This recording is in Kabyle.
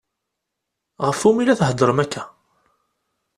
Ɣef umi i la theddṛem akka?